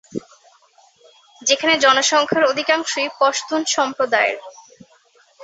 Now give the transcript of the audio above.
যেখানে জনসংখ্যার অধিকাংশই পশতুন সম্প্রদায়ের।